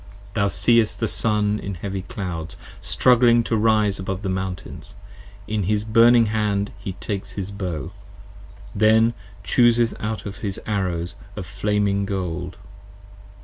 Thou seest the Sun in heavy clouds Struggling to rise above the Mountains, in his burning hand He takes his Bow, then chooses out his arrows of flaming gold.